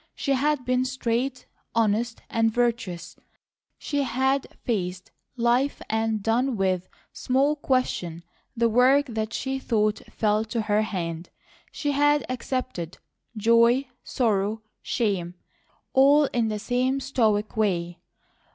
She had been straight, honest, and virtuous. She had faced life and done with small question the work that she thought fell to her hand. She had accepted joy, sorrow, shame, all in the same stoic way.